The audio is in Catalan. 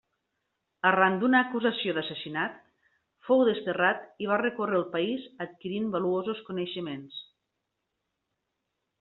Arran d'una acusació d'assassinat fou desterrat i va recórrer el país adquirint valuosos coneixements.